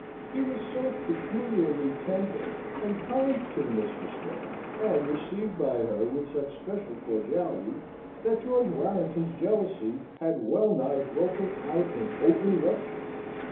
He was so peculiarly tender and kind to the mistress there, and received by her with such special cordiality, that George Warrington's jealousy had well nigh broken out in open rupture.